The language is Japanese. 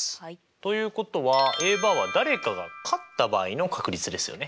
ということはＡバーは誰かが勝った場合の確率ですよね。